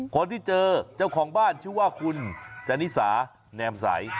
คนที่เจอเจ้าของบ้านชื่อว่าคุณจนิสาแนมใส